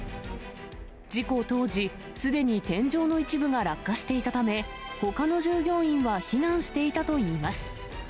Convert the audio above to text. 事故当時、すでに天井の一部が落下していたため、ほかの従業員は避難していたといいます。